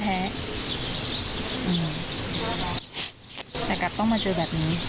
แต่กลับต้องมาเจอแบบนี้